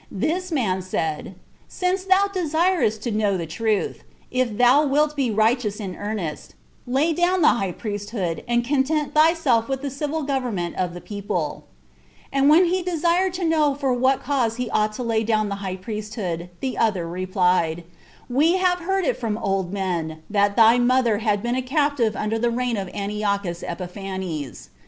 This man said, "Since thou desirest to know the truth, if thou wilt be righteous in earnest, lay down the high priesthood, and content thyself with the civil government of the people," And when he desired to know for what cause he ought to lay down the high priesthood, the other replied, "We have heard it from old men, that thy mother had been a captive under the reign of Antiochus Epiphanes.